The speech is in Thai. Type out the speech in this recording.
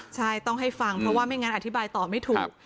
ใช่ต้องให้ฟังเพราะว่าไม่งั้นอธิบายตอบไม่ถูก